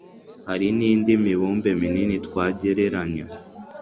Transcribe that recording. hari n'indi mibumbe minini twagereranya